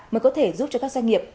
mới có thể giúp cho các doanh nghiệp